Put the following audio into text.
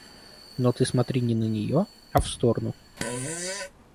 Но ты смотри не на нее, а в сторону.